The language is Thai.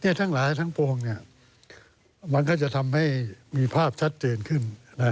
ทั้งหลายทั้งปวงมันก็จะทำให้มีภาพชัดเจนขึ้น